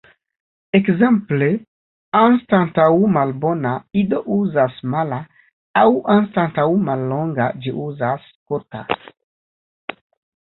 Ekzemple, anstataŭ "malbona", Ido uzas "mala", aŭ anstataŭ "mallonga" ĝi uzas "kurta".